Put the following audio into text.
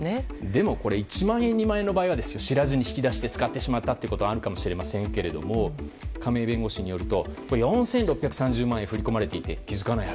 でも、１万円、２万円の場合は知らずに引き出して使ってしまうことはあるかもしれませんが亀井弁護士によると４６３０万円振り込まれていて気づかない